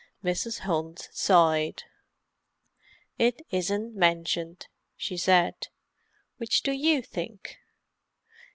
Mrs. Hunt sighed. "It isn't mentioned," she said. "Which do you think?"